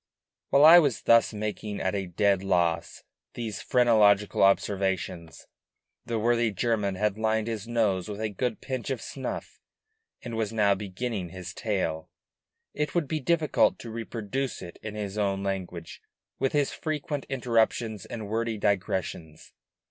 While I was thus making, at a dead loss, these phrenological observations, the worthy German had lined his nose with a good pinch of snuff and was now beginning his tale. It would be difficult to reproduce it in his own language, with his frequent interruptions and wordy digressions.